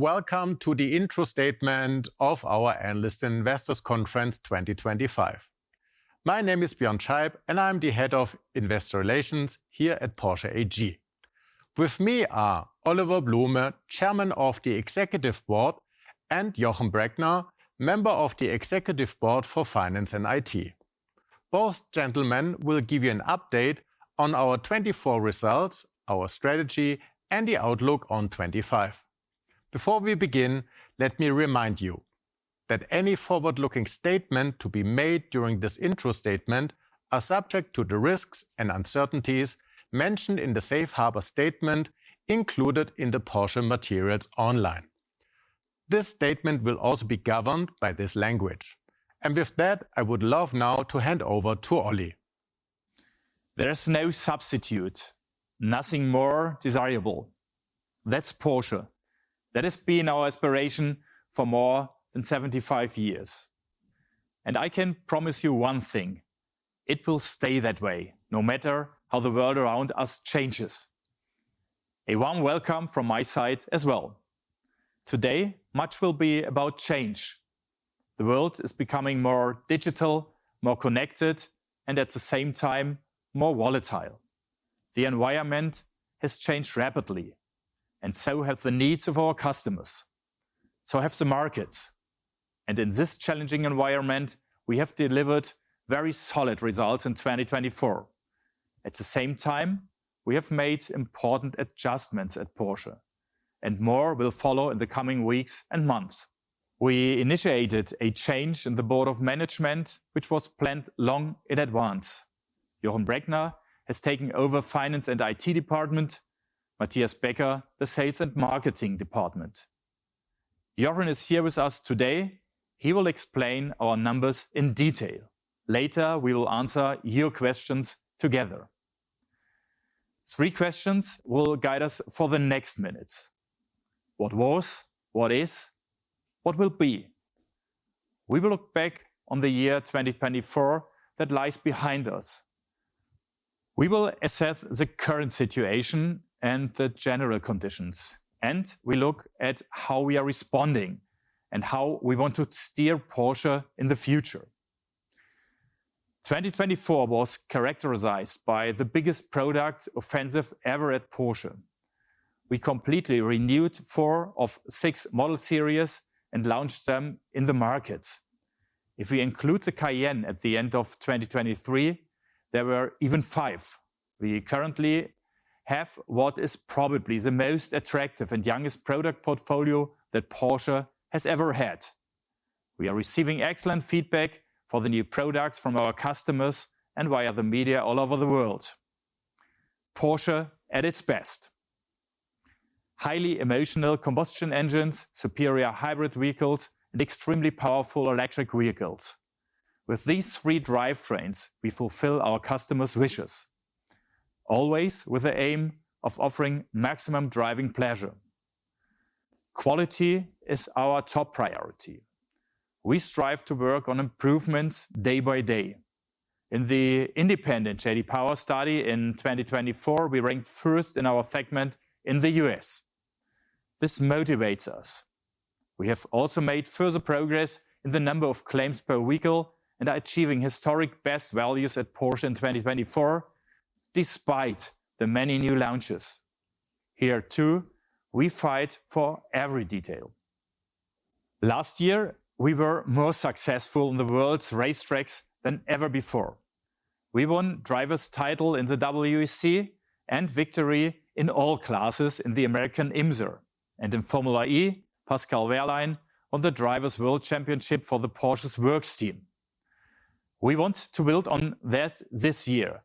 Welcome to the intro statement of our Analysts and Investors Conference 2025. My name is Björn Scheib, and I'm the Head of Investor Relations here at Porsche AG. With me are Oliver Blume, Chairman of the Executive Board, and Jochen Breckner, Member of the Executive Board for Finance and IT. Both gentlemen will give you an update on our 2024 results, our strategy, and the outlook on 2025. Before we begin, let me remind you that any forward-looking statement to be made during this intro statement are subject to the risks and uncertainties mentioned in the Safe Harbor Statement included in the Porsche Materials Online. This statement will also be governed by this language. With that, I would love now to hand over to Olli. There is no substitute, nothing more desirable. That is Porsche. That has been our aspiration for more than 75 years. I can promise you one thing: it will stay that way, no matter how the world around us changes. A warm welcome from my side as well. Today, much will be about change. The world is becoming more digital, more connected, and at the same time, more volatile. The environment has changed rapidly, and so have the needs of our customers. So have the markets. In this challenging environment, we have delivered very solid results in 2024. At the same time, we have made important adjustments at Porsche, and more will follow in the coming weeks and months. We initiated a change in the Board of Management, which was planned long in advance. Jochen Breckner has taken over the Finance and IT Department. Matthias Becker, the Sales and Marketing Department. Jochen is here with us today. He will explain our numbers in detail. Later, we will answer your questions together. Three questions will guide us for the next minutes: What was, what is, what will be? We will look back on the year 2024 that lies behind us. We will assess the current situation and the general conditions, and we look at how we are responding and how we want to steer Porsche in the future. 2024 was characterized by the biggest product offensive ever at Porsche. We completely renewed four of six model series and launched them in the markets. If we include the Cayenne at the end of 2023, there were even five. We currently have what is probably the most attractive and youngest product portfolio that Porsche has ever had. We are receiving excellent feedback for the new products from our customers and via the media all over the world. Porsche at its best: highly emotional combustion engines, superior hybrid vehicles, and extremely powerful electric vehicles. With these three drivetrains, we fulfill our customers' wishes, always with the aim of offering maximum driving pleasure. Quality is our top priority. We strive to work on improvements day by day. In the independent J.D. Power study in 2024, we ranked first in our segment in the U.S. This motivates us. We have also made further progress in the number of claims per vehicle and are achieving historic best values at Porsche in 2024, despite the many new launches. Here, too, we fight for every detail. Last year, we were more successful on the world's racetracks than ever before. We won Drivers title in the WEC and victory in all classes in the American IMSA and in Formula E. Pascal Wehrlein won the Drivers' World Championship for the Porsche Works team. We want to build on this this year.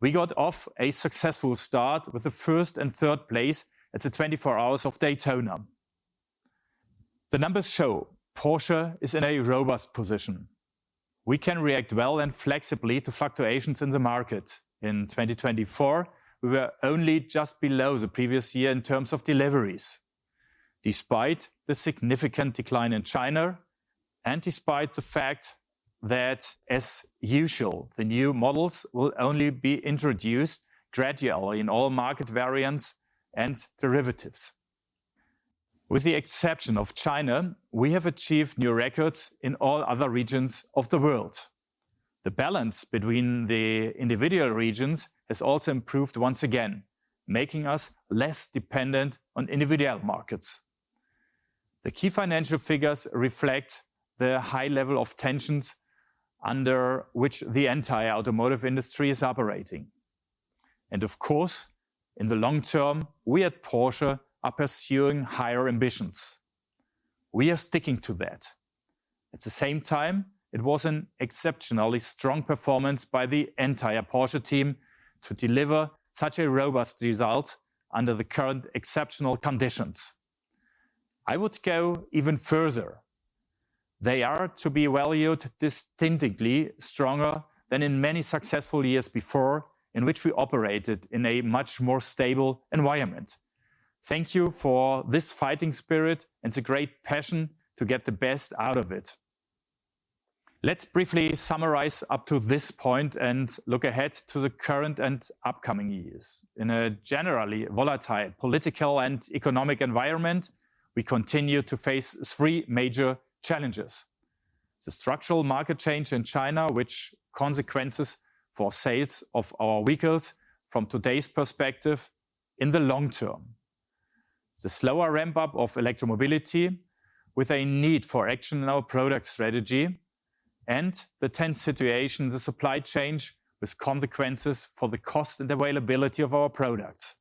We got off a successful start with the first and third place at the 24 Hours of Daytona. The numbers show Porsche is in a robust position. We can react well and flexibly to fluctuations in the market. In 2024, we were only just below the previous year in terms of deliveries, despite the significant decline in China and despite the fact that, as usual, the new models will only be introduced gradually in all market variants and derivatives. With the exception of China, we have achieved new records in all other regions of the world. The balance between the individual regions has also improved once again, making us less dependent on individual markets. The key financial figures reflect the high level of tensions under which the entire automotive industry is operating. Of course, in the long term, we at Porsche are pursuing higher ambitions. We are sticking to that. At the same time, it was an exceptionally strong performance by the entire Porsche team to deliver such a robust result under the current exceptional conditions. I would go even further. They are to be valued distinctly stronger than in many successful years before in which we operated in a much more stable environment. Thank you for this fighting spirit and the great passion to get the best out of it. Let's briefly summarize up to this point and look ahead to the current and upcoming years. In a generally volatile political and economic environment, we continue to face three major challenges: the structural market change in China, which has consequences for sales of our vehicles from today's perspective in the long term, the slower ramp-up of electromobility with a need for action in our product strategy, and the tense situation in the supply chain with consequences for the cost and availability of our products.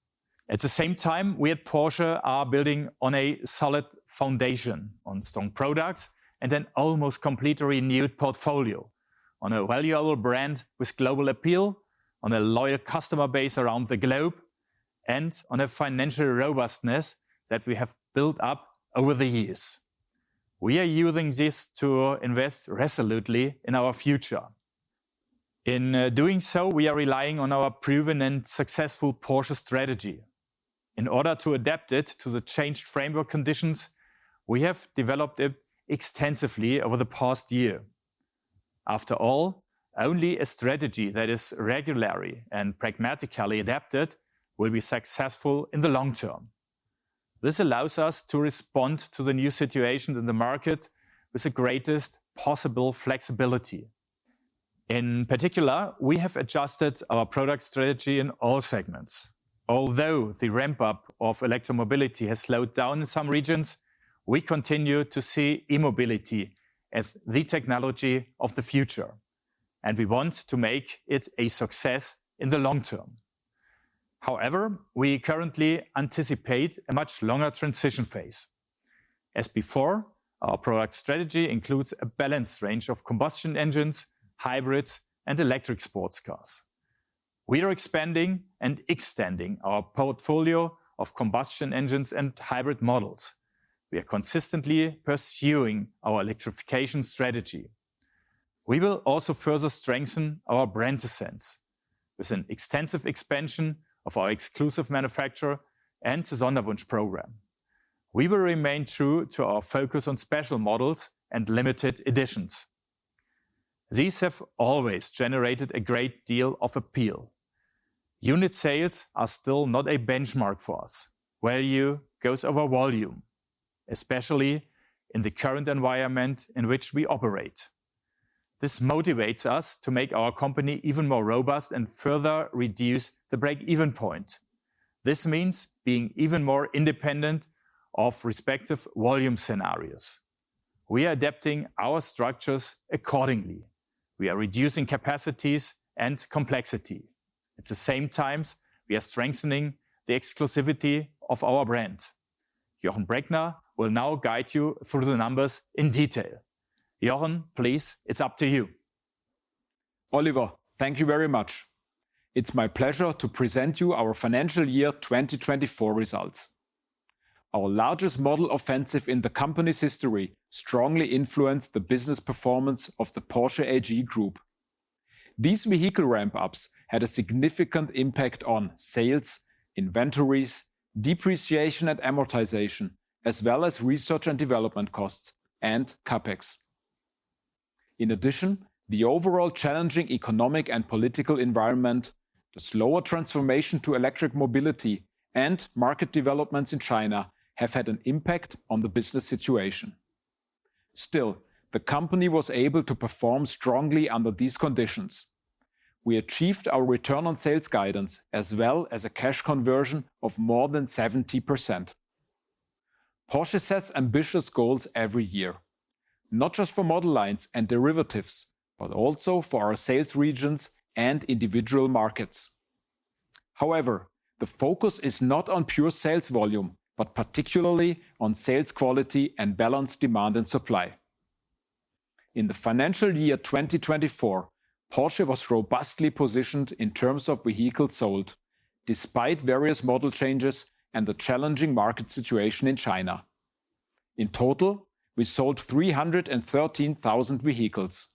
At the same time, we at Porsche are building on a solid foundation, on strong products, and an almost completely renewed portfolio, on a valuable brand with global appeal, on a loyal customer base around the globe, and on a financial robustness that we have built up over the years. We are using this to invest resolutely in our future. In doing so, we are relying on our proven and successful Porsche strategy. In order to adapt it to the changed framework conditions, we have developed it extensively over the past year. After all, only a strategy that is regularly and pragmatically adapted will be successful in the long term. This allows us to respond to the new situation in the market with the greatest possible flexibility. In particular, we have adjusted our product strategy in all segments. Although the ramp-up of electromobility has slowed down in some regions, we continue to see e-mobility as the technology of the future, and we want to make it a success in the long term. However, we currently anticipate a much longer transition phase. As before, our product strategy includes a balanced range of combustion engines, hybrids, and electric sports cars. We are expanding and extending our portfolio of combustion engines and hybrid models. We are consistently pursuing our electrification strategy. We will also further strengthen our brand essence with an extensive expansion of our Exclusive Manufaktur and the Sonderwunsch Program. We will remain true to our focus on special models and limited editions. These have always generated a great deal of appeal. Unit sales are still not a benchmark for us. Value goes over volume, especially in the current environment in which we operate. This motivates us to make our company even more robust and further reduce the break-even point. This means being even more independent of respective volume scenarios. We are adapting our structures accordingly. We are reducing capacities and complexity. At the same time, we are strengthening the exclusivity of our brand. Jochen Breckner will now guide you through the numbers in detail. Jochen, please, it's up to you. Oliver, thank you very much. It's my pleasure to present you our financial year 2024 results. Our largest model offensive in the company's history strongly influenced the business performance of the Porsche AG Group. These vehicle ramp-ups had a significant impact on sales, inventories, depreciation and amortization, as well as research and development costs and CapEx. In addition, the overall challenging economic and political environment, the slower transformation to electric mobility, and market developments in China have had an impact on the business situation. Still, the company was able to perform strongly under these conditions. We achieved our return on sales guidance as well as a cash conversion of more than 70%. Porsche sets ambitious goals every year, not just for model lines and derivatives, but also for our sales regions and individual markets. However, the focus is not on pure sales volume, but particularly on sales quality and balanced demand and supply. In the financial year 2024, Porsche was robustly positioned in terms of vehicles sold, despite various model changes and the challenging market situation in China. In total, we sold 313,000 vehicles.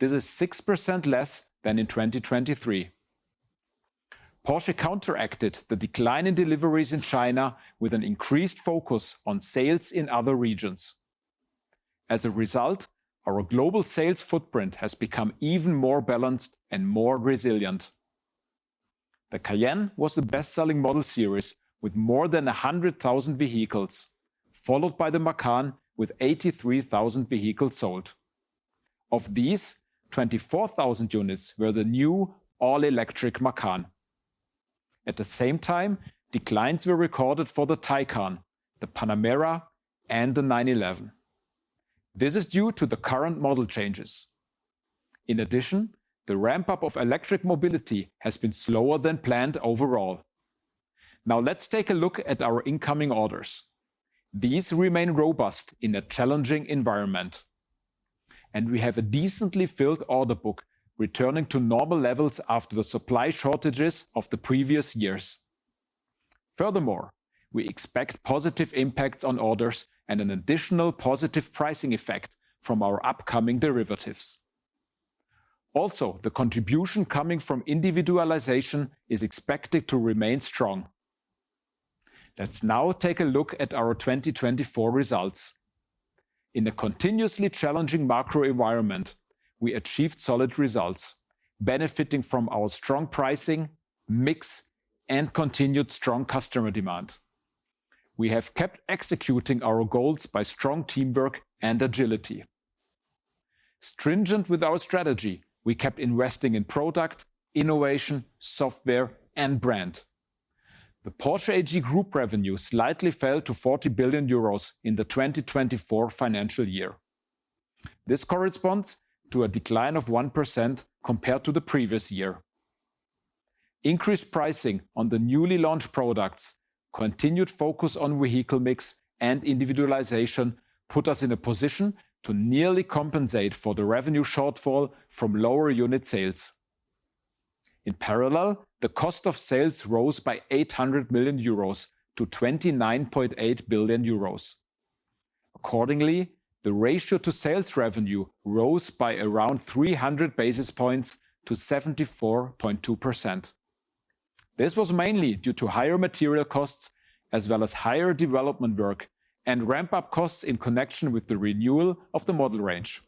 This is 6% less than in 2023. Porsche counteracted the decline in deliveries in China with an increased focus on sales in other regions. As a result, our global sales footprint has become even more balanced and more resilient. The Cayenne was the best-selling model series with more than 100,000 vehicles, followed by the Macan with 83,000 vehicles sold. Of these, 24,000 units were the new all-electric Macan. At the same time, declines were recorded for the Taycan, the Panamera, and the 911. This is due to the current model changes. In addition, the ramp-up of electric mobility has been slower than planned overall. Now let's take a look at our incoming orders. These remain robust in a challenging environment, and we have a decently filled order book returning to normal levels after the supply shortages of the previous years. Furthermore, we expect positive impacts on orders and an additional positive pricing effect from our upcoming derivatives. Also, the contribution coming from individualization is expected to remain strong. Let's now take a look at our 2024 results. In a continuously challenging macro environment, we achieved solid results, benefiting from our strong pricing, mix, and continued strong customer demand. We have kept executing our goals by strong teamwork and agility. Stringent with our strategy, we kept investing in product, innovation, software, and brand. The Porsche AG Group revenue slightly fell to 40 billion euros in the 2024 financial year. This corresponds to a decline of 1% compared to the previous year. Increased pricing on the newly launched products, continued focus on vehicle mix, and individualization put us in a position to nearly compensate for the revenue shortfall from lower unit sales. In parallel, the cost of sales rose by 800 million euros to 29.8 billion euros. Accordingly, the ratio to sales revenue rose by around 300 basis points to 74.2%. This was mainly due to higher material costs as well as higher development work and ramp-up costs in connection with the renewal of the model range.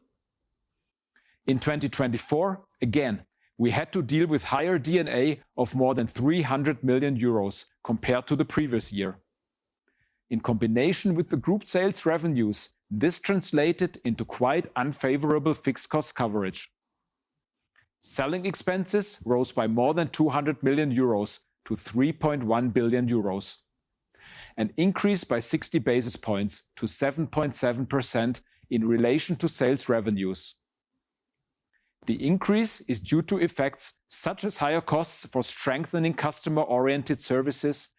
In 2024, again, we had to deal with higher D&A of more than 300 million euros compared to the previous year. In combination with the group sales revenues, this translated into quite unfavorable fixed cost coverage. Selling expenses rose by more than 200 million euros to 3.1 billion euros, an increase by 60 basis points to 7.7% in relation to sales revenues. The increase is due to effects such as higher costs for strengthening customer-oriented services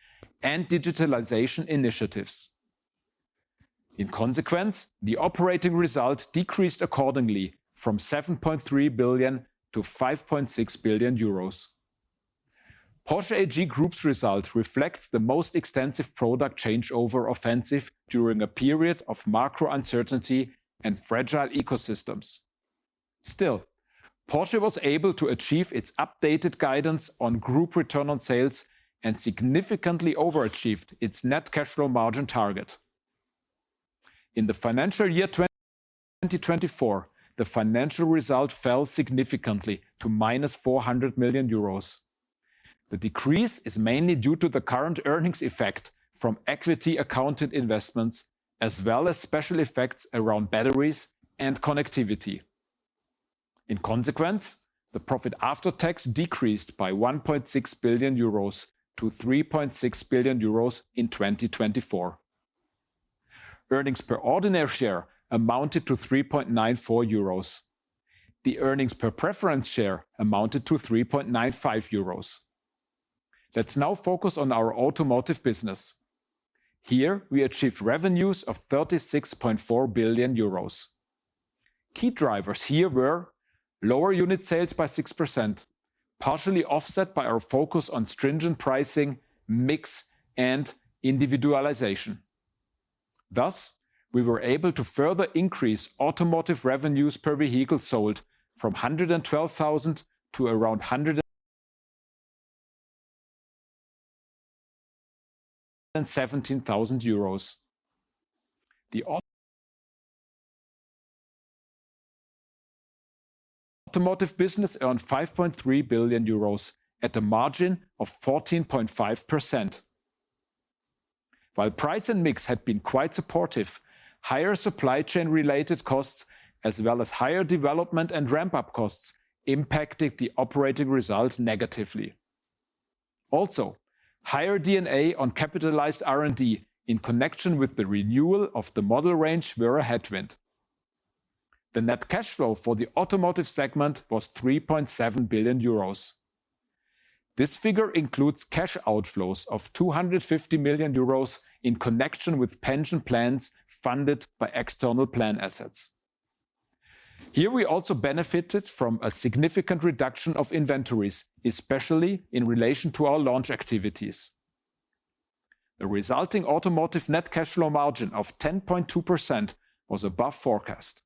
and digitalization initiatives. In consequence, the operating result decreased accordingly from 7.3 billion to 5.6 billion euros. Porsche AG Group's result reflects the most extensive product changeover offensive during a period of macro uncertainty and fragile ecosystems. Still, Porsche was able to achieve its updated guidance on group return on sales and significantly overachieved its net cash flow margin target. In the financial year 2024, the financial result fell significantly to minus 400 million euros. The decrease is mainly due to the current earnings effect from equity-accounted investments as well as special effects around batteries and connectivity. In consequence, the profit after tax decreased by 1.6 billion euros to 3.6 billion euros in 2024. Earnings per ordinary share amounted to 3.94 euros. The earnings per preference share amounted to 3.95 euros. Let's now focus on our automotive business. Here, we achieved revenues of 36.4 billion euros. Key drivers here were lower unit sales by 6%, partially offset by our focus on stringent pricing, mix, and individualization. Thus, we were able to further increase automotive revenues per vehicle sold from 112,000 to around 117,000 euros. The automotive business earned 5.3 billion euros at a margin of 14.5%. While price and mix had been quite supportive, higher supply chain-related costs as well as higher development and ramp-up costs impacted the operating result negatively. Also, higher D&A on capitalized R&D in connection with the renewal of the model range were a headwind. The net cash flow for the automotive segment was 3.7 billion euros. This figure includes cash outflows of 250 million euros in connection with pension plans funded by external plan assets. Here, we also benefited from a significant reduction of inventories, especially in relation to our launch activities. The resulting automotive net cash flow margin of 10.2% was above forecast.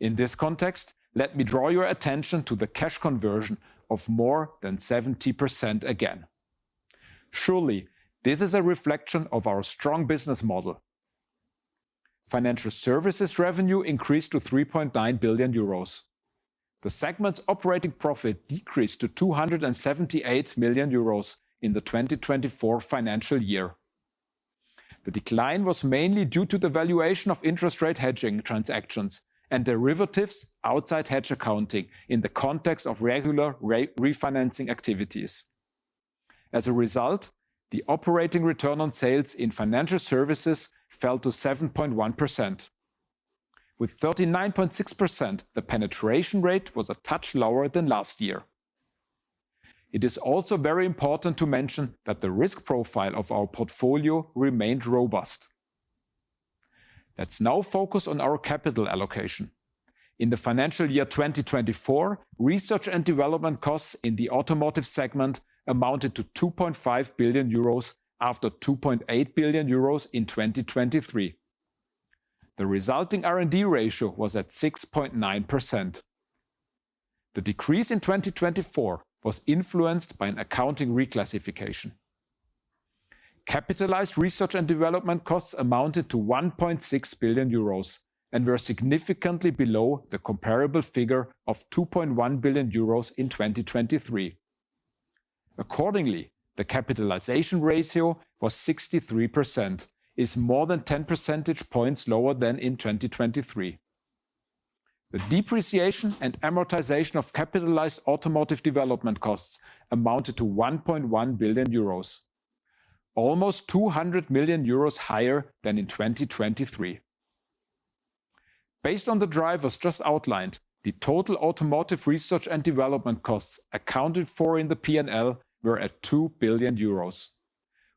In this context, let me draw your attention to the cash conversion of more than 70% again. Surely, this is a reflection of our strong business model. Financial services revenue increased to 3.9 billion euros. The segment's operating profit decreased to 278 million euros in the 2024 financial year. The decline was mainly due to the valuation of interest rate hedging transactions and derivatives outside hedge accounting in the context of regular refinancing activities. As a result, the operating return on sales in financial services fell to 7.1%. With 39.6%, the penetration rate was a touch lower than last year. It is also very important to mention that the risk profile of our portfolio remained robust. Let's now focus on our capital allocation. In the financial year 2024, research and development costs in the automotive segment amounted to 2.5 billion euros after 2.8 billion euros in 2023. The resulting R&D ratio was at 6.9%. The decrease in 2024 was influenced by an accounting reclassification. Capitalized research and development costs amounted to 1.6 billion euros and were significantly below the comparable figure of 2.1 billion euros in 2023. Accordingly, the capitalization ratio was 63%, is more than 10 percentage points lower than in 2023. The depreciation and amortization of capitalized automotive development costs amounted to 1.1 billion euros, almost 200 million euros higher than in 2023. Based on the drivers just outlined, the total automotive research and development costs accounted for in the P&L were at 2 billion euros,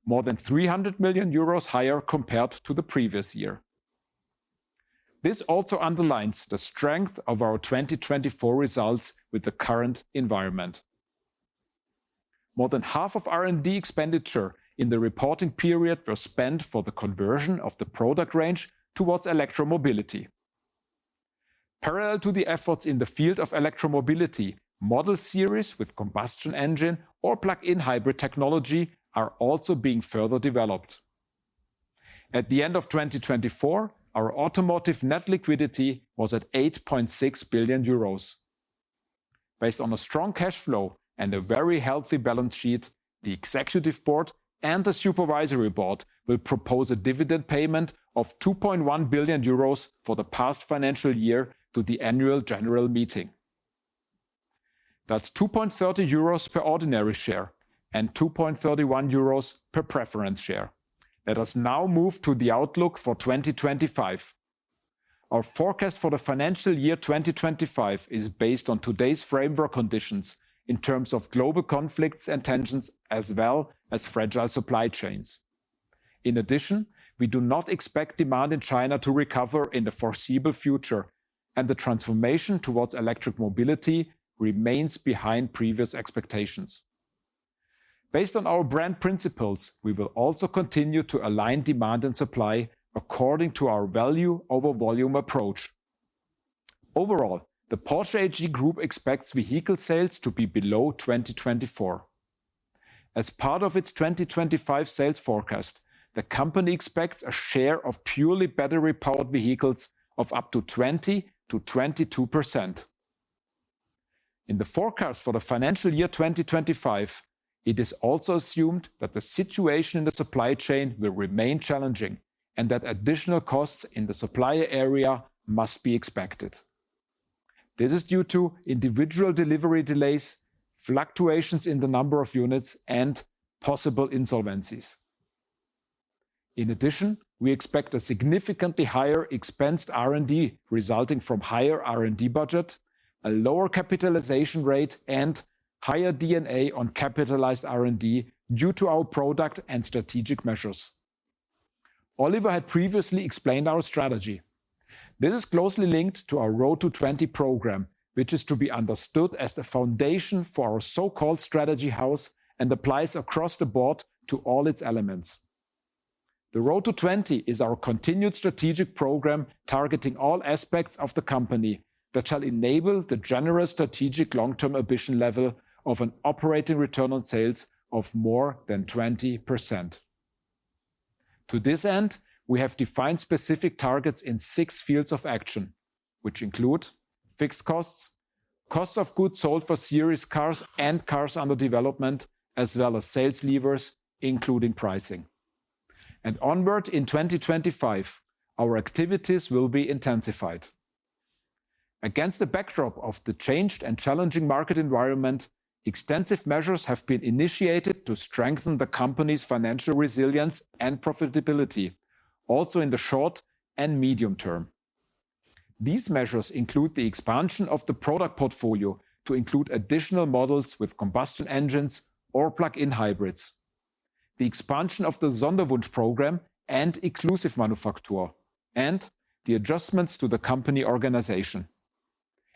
more than 300 million euros higher compared to the previous year. This also underlines the strength of our 2024 results with the current environment. More than half of R&D expenditure in the reporting period was spent for the conversion of the product range towards electromobility. Parallel to the efforts in the field of electromobility, model series with combustion engine or plug-in hybrid technology are also being further developed. At the end of 2024, our automotive net liquidity was at 8.6 billion euros. Based on a strong cash flow and a very healthy balance sheet, the Executive Board and the Supervisory Board will propose a dividend payment of 2.1 billion euros for the past financial year to the annual general meeting. That's 2.30 euros per ordinary share and 2.31 euros per preference share. Let us now move to the outlook for 2025. Our forecast for the financial year 2025 is based on today's framework conditions in terms of global conflicts and tensions as well as fragile supply chains. In addition, we do not expect demand in China to recover in the foreseeable future, and the transformation towards electric mobility remains behind previous expectations. Based on our brand principles, we will also continue to align demand and supply according to our value-over-volume approach. Overall, the Porsche AG Group expects vehicle sales to be below 2024. As part of its 2025 sales forecast, the company expects a share of purely battery-powered vehicles of up to 20%-22%. In the forecast for the financial year 2025, it is also assumed that the situation in the supply chain will remain challenging and that additional costs in the supplier area must be expected. This is due to individual delivery delays, fluctuations in the number of units, and possible insolvencies. In addition, we expect a significantly higher expensed R&D resulting from higher R&D budget, a lower capitalization rate, and higher D&A on capitalized R&D due to our product and strategic measures. Oliver had previously explained our strategy. This is closely linked to our Road to 20 program, which is to be understood as the foundation for our so-called strategy house and applies across the board to all its elements. The Road to 20 is our continued strategic program targeting all aspects of the company that shall enable the general strategic long-term ambition level of an operating return on sales of more than 20%. To this end, we have defined specific targets in six fields of action, which include fixed costs, costs of goods sold for series cars and cars under development, as well as sales levers, including pricing. And onward in 2025, our activities will be intensified. Against the backdrop of the changed and challenging market environment, extensive measures have been initiated to strengthen the company's financial resilience and profitability, also in the short and medium term. These measures include the expansion of the product portfolio to include additional models with combustion engines or plug-in hybrids, the expansion of the Sonderwunsch Program and Exclusive Manufaktur, and the adjustments to the company organization.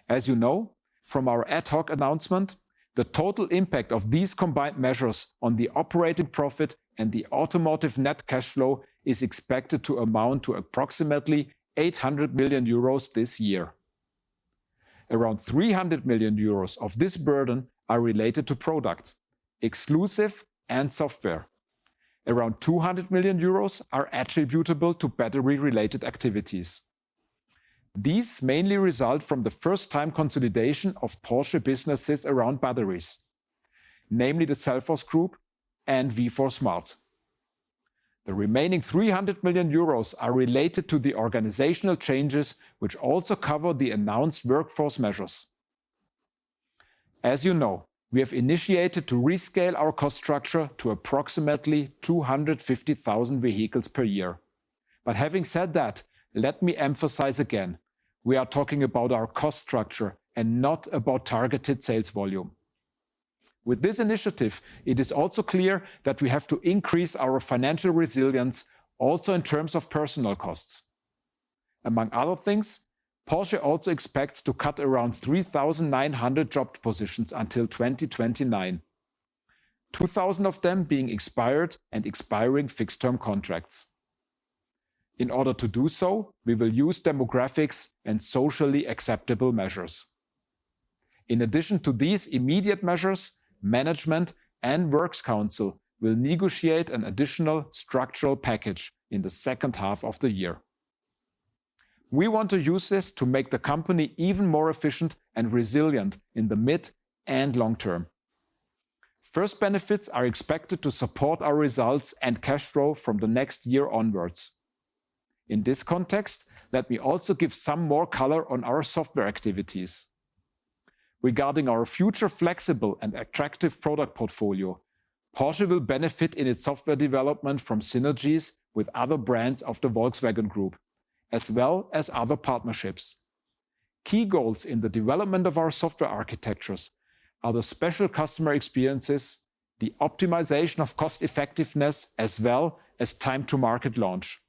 As you know from our ad hoc announcement, the total impact of these combined measures on the operating profit and the automotive net cash flow is expected to amount to approximately 800 million euros this year. Around 300 million euros of this burden are related to product, exclusive, and software. Around 200 million euros are attributable to battery-related activities. These mainly result from the first-time consolidation of Porsche businesses around batteries, namely the Cellforce Group and V4Smart. The remaining 300 million euros are related to the organizational changes, which also cover the announced workforce measures. As you know, we have initiated to rescale our cost structure to approximately 250,000 vehicles per year. Having said that, let me emphasize again, we are talking about our cost structure and not about targeted sales volume. With this initiative, it is also clear that we have to increase our financial resilience also in terms of personnel costs. Among other things, Porsche also expects to cut around 3,900 job positions until 2029, 2,000 of them being expired and expiring fixed-term contracts. In order to do so, we will use demographics and socially acceptable measures. In addition to these immediate measures, management and Works Council will negotiate an additional structural package in the second half of the year. We want to use this to make the company even more efficient and resilient in the mid and long term. First benefits are expected to support our results and cash flow from the next year onwards. In this context, let me also give some more color on our software activities. Regarding our future flexible and attractive product portfolio, Porsche will benefit in its software development from synergies with other brands of the Volkswagen Group, as well as other partnerships. Key goals in the development of our software architectures are the special customer experiences, the optimization of cost-effectiveness, as well as time-to-market launch.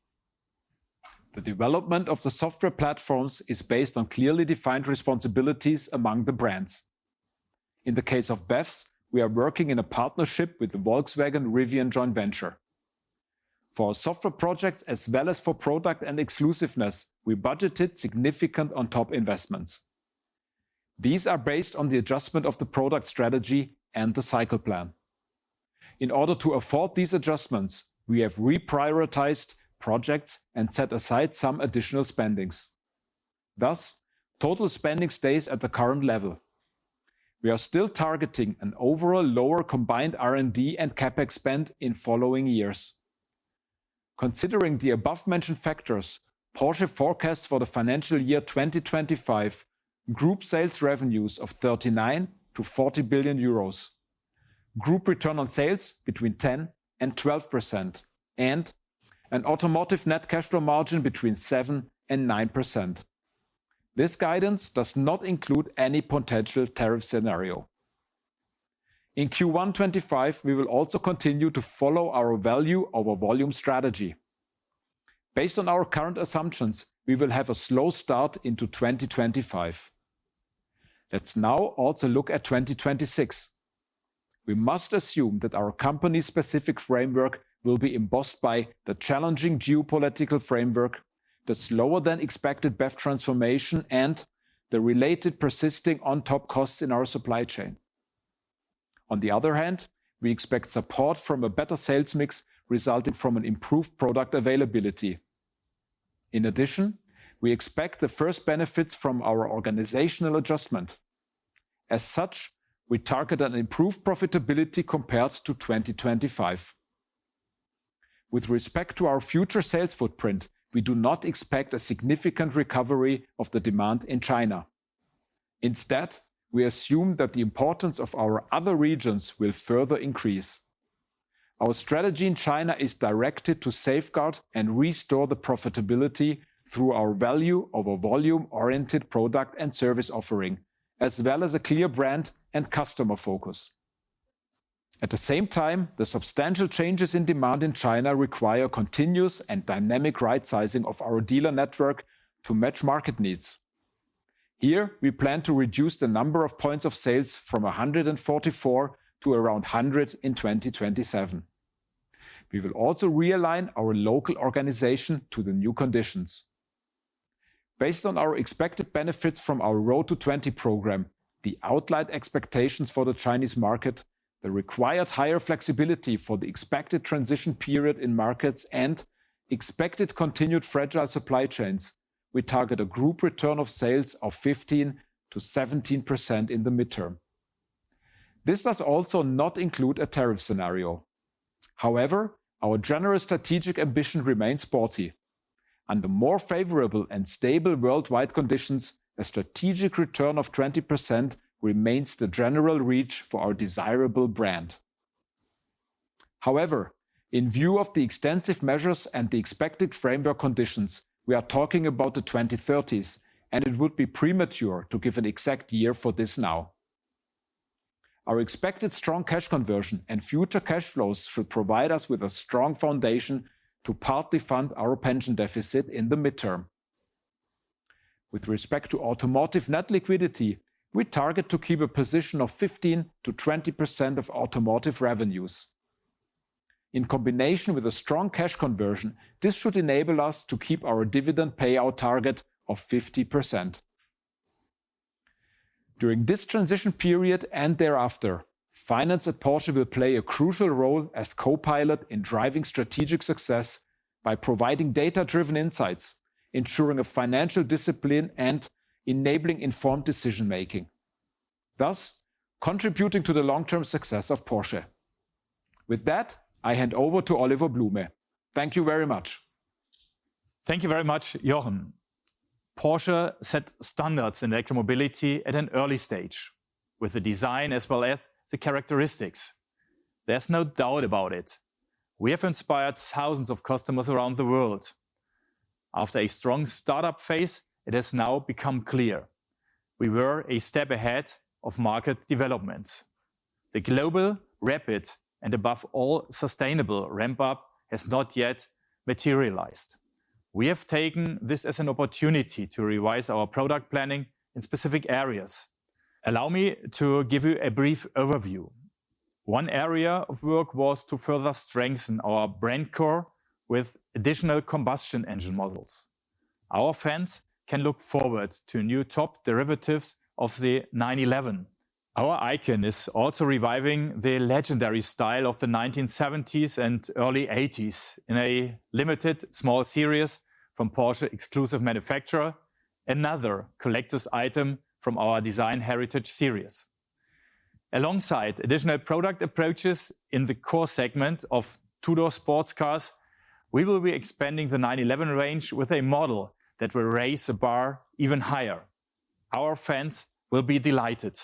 The development of the software platforms is based on clearly defined responsibilities among the brands. In the case of BEVs, we are working in a partnership with the Volkswagen Rivian Joint Venture. For our software projects as well as for product and exclusiveness, we budgeted significant on-top investments. These are based on the adjustment of the product strategy and the cycle plan. In order to afford these adjustments, we have reprioritized projects and set aside some additional spendings. Thus, total spending stays at the current level. We are still targeting an overall lower combined R&D and CapEx spend in following years. Considering the above-mentioned factors, Porsche forecasts for the financial year 2025 group sales revenues of 39 billion-40 billion euros, group return on sales between 10% and 12%, and an automotive net cash flow margin between 7% and 9%. This guidance does not include any potential tariff scenario. In Q1 2025, we will also continue to follow our value-over-volume strategy. Based on our current assumptions, we will have a slow start into 2025. Let's now also look at 2026. We must assume that our company-specific framework will be embossed by the challenging geopolitical framework, the slower-than-expected BEV transformation, and the related persisting on-top costs in our supply chain. On the other hand, we expect support from a better sales mix resulting from an improved product availability. In addition, we expect the first benefits from our organizational adjustment. As such, we target an improved profitability compared to 2025. With respect to our future sales footprint, we do not expect a significant recovery of the demand in China. Instead, we assume that the importance of our other regions will further increase. Our strategy in China is directed to safeguard and restore the profitability through our value-over-volume oriented product and service offering, as well as a clear brand and customer focus. At the same time, the substantial changes in demand in China require continuous and dynamic right-sizing of our dealer network to match market needs. Here, we plan to reduce the number of points of sales from 144 to around 100 in 2027. We will also realign our local organization to the new conditions. Based on our expected benefits from our Road to 20 program, the outlined expectations for the Chinese market, the required higher flexibility for the expected transition period in markets, and expected continued fragile supply chains, we target a group return of sales of 15%-17% in the midterm. This does also not include a tariff scenario. However, our general strategic ambition remains sporty. Under more favorable and stable worldwide conditions, a strategic return of 20% remains the general reach for our desirable brand. However, in view of the extensive measures and the expected framework conditions, we are talking about the 2030s, and it would be premature to give an exact year for this now. Our expected strong cash conversion and future cash flows should provide us with a strong foundation to partly fund our pension deficit in the midterm. With respect to automotive net liquidity, we target to keep a position of 15%-20% of automotive revenues. In combination with a strong cash conversion, this should enable us to keep our dividend payout target of 50%. During this transition period and thereafter, finance at Porsche will play a crucial role as co-pilot in driving strategic success by providing data-driven insights, ensuring financial discipline, and enabling informed decision-making, thus contributing to the long-term success of Porsche. With that, I hand over to Oliver Blume. Thank you very much. Thank you very much, Jochen. Porsche set standards in electromobility at an early stage with the design as well as the characteristics. There is no doubt about it. We have inspired thousands of customers around the world. After a strong startup phase, it has now become clear we were a step ahead of market developments. The global, rapid, and above all sustainable ramp-up has not yet materialized. We have taken this as an opportunity to revise our product planning in specific areas. Allow me to give you a brief overview. One area of work was to further strengthen our brand core with additional combustion engine models. Our fans can look forward to new top derivatives of the 911. Our icon is also reviving the legendary style of the 1970s and early 80s in a limited small series from Porsche Exclusive Manufaktur, another collector's item from our Design Heritage Series. Alongside additional product approaches in the core segment of two-door sports cars, we will be expanding the 911 range with a model that will raise the bar even higher. Our fans will be delighted.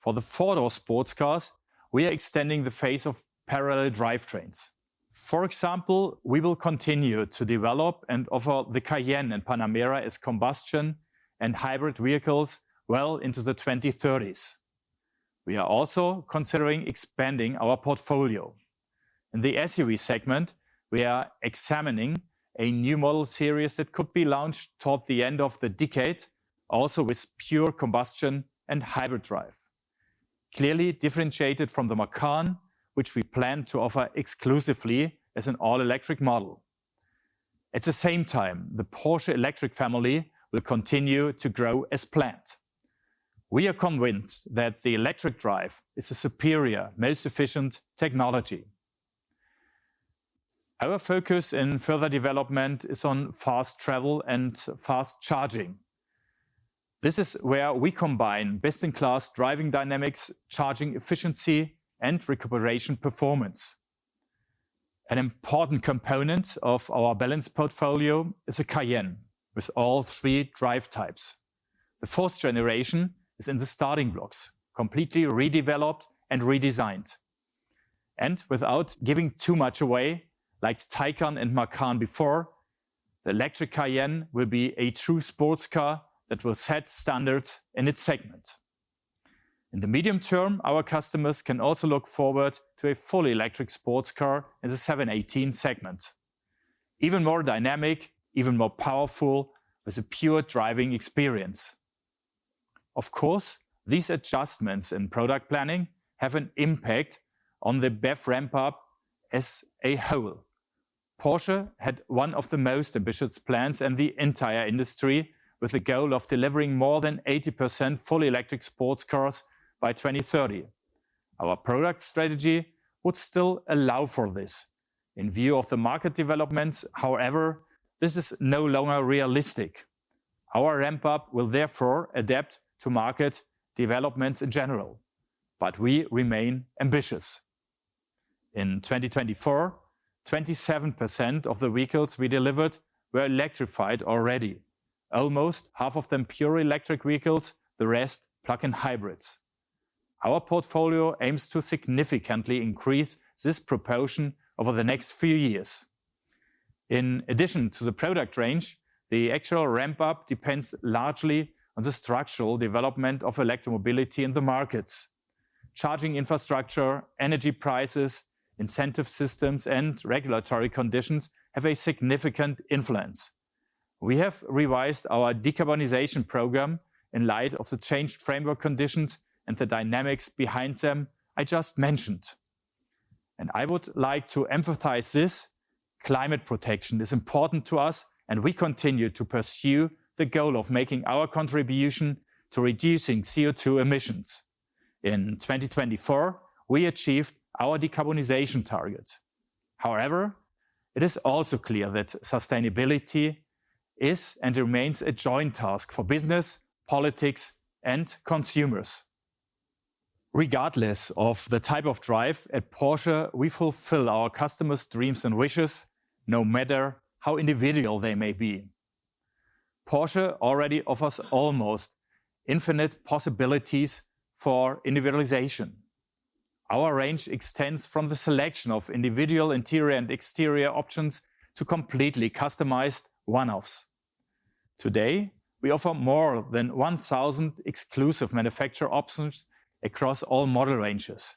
For the four-door sports cars, we are extending the phase of parallel drivetrains. For example, we will continue to develop and offer the Cayenne and Panamera as combustion and hybrid vehicles well into the 2030s. We are also considering expanding our portfolio. In the SUV segment, we are examining a new model series that could be launched toward the end of the decade, also with pure combustion and hybrid drive, clearly differentiated from the Macan, which we plan to offer exclusively as an all-electric model. At the same time, the Porsche electric family will continue to grow as planned. We are convinced that the electric drive is a superior, most efficient technology. Our focus in further development is on fast travel and fast charging. This is where we combine best-in-class driving dynamics, charging efficiency, and recuperation performance. An important component of our balanced portfolio is the Cayenne with all three drivetypes. The fourth generation is in the starting blocks, completely redeveloped and redesigned. Without giving too much away, like the Taycan and Macan before, the electric Cayenne will be a true sports car that will set standards in its segment. In the medium term, our customers can also look forward to a fully electric sports car in the 718 segment, even more dynamic, even more powerful, with a pure driving experience. Of course, these adjustments in product planning have an impact on the BEV ramp-up as a whole. Porsche had one of the most ambitious plans in the entire industry with the goal of delivering more than 80% fully electric sports cars by 2030. Our product strategy would still allow for this. In view of the market developments, however, this is no longer realistic. Our ramp-up will therefore adapt to market developments in general, but we remain ambitious. In 2024, 27% of the vehicles we delivered were electrified already, almost half of them pure electric vehicles, the rest plug-in hybrids. Our portfolio aims to significantly increase this proportion over the next few years. In addition to the product range, the actual ramp-up depends largely on the structural development of electromobility in the markets. Charging infrastructure, energy prices, incentive systems, and regulatory conditions have a significant influence. We have revised our decarbonization program in light of the changed framework conditions and the dynamics behind them I just mentioned. I would like to emphasize this: climate protection is important to us, and we continue to pursue the goal of making our contribution to reducing CO2 emissions. In 2024, we achieved our decarbonization target. However, it is also clear that sustainability is and remains a joint task for business, politics, and consumers. Regardless of the type of drive at Porsche, we fulfill our customers' dreams and wishes, no matter how individual they may be. Porsche already offers almost infinite possibilities for individualization. Our range extends from the selection of individual interior and exterior options to completely customized one-offs. Today, we offer more than 1,000 Exclusive Manufaktur options across all model ranges.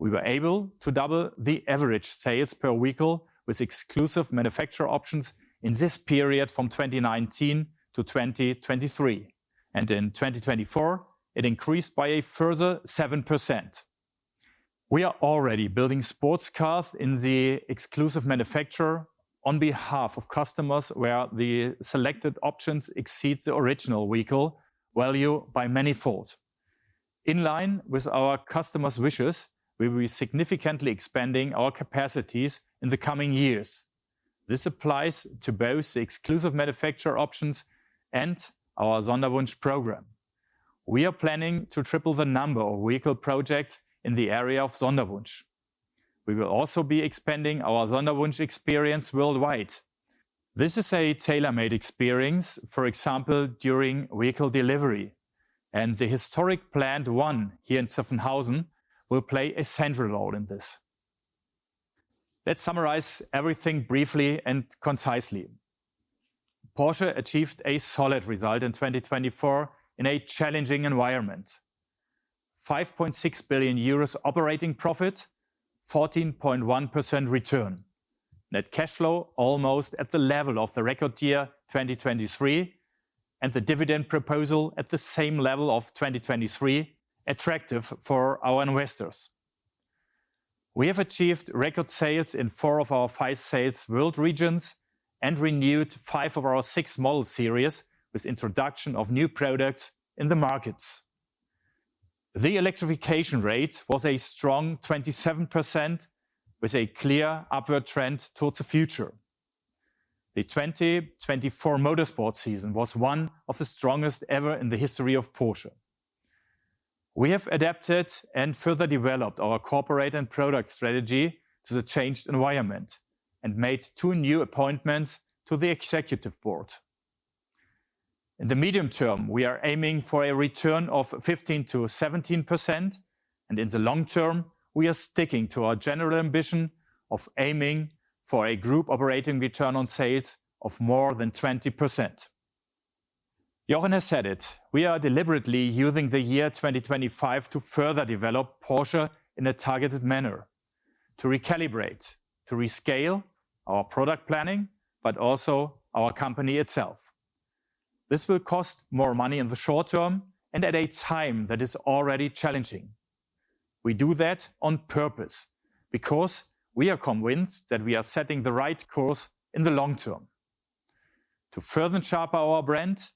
We were able to double the average sales per vehicle with Exclusive Manufaktur options in this period from 2019 to 2023, and in 2024, it increased by a further 7%. We are already building sports cars in the Exclusive Manufaktur on behalf of customers where the selected options exceed the original vehicle value by many fold. In line with our customers' wishes, we will be significantly expanding our capacities in the coming years. This applies to both the Exclusive Manufaktur options and our Sonderwunsch Program. We are planning to triple the number of vehicle projects in the area of Sonderwunsch. We will also be expanding our Sonderwunsch experience worldwide. This is a tailor-made experience, for example, during vehicle delivery, and the historic Plant 1 here in Zuffenhausen will play a central role in this. Let's summarize everything briefly and concisely. Porsche achieved a solid result in 2024 in a challenging environment: EUR 5.6 billion operating profit, 14.1% return, net cash flow almost at the level of the record year 2023, and the dividend proposal at the same level of 2023, attractive for our investors. We have achieved record sales in four of our five sales world regions and renewed five of our six model series with the introduction of new products in the markets. The electrification rate was a strong 27%, with a clear upward trend towards the future. The 2024 Motorsport season was one of the strongest ever in the history of Porsche. We have adapted and further developed our corporate and product strategy to the changed environment and made two new appointments to the Executive Board. In the medium term, we are aiming for a return of 15%-17%, and in the long term, we are sticking to our general ambition of aiming for a group operating return on sales of more than 20%. Jochen has said it: we are deliberately using the year 2025 to further develop Porsche in a targeted manner, to recalibrate, to rescale our product planning, but also our company itself. This will cost more money in the short term and at a time that is already challenging. We do that on purpose because we are convinced that we are setting the right course in the long term to further sharpen our brand,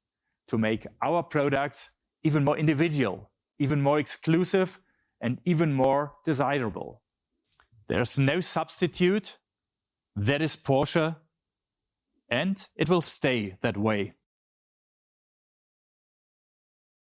to make our products even more individual, even more exclusive, and even more desirable. There's no substitute. That is Porsche, and it will stay that way.